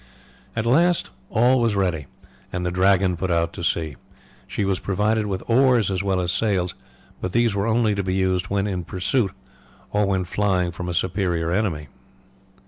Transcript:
At last all was ready, and the Dragon put out to sea. She was provided with oars as well as sails, but these were only to be used when in pursuit, or when flying from a superior enemy.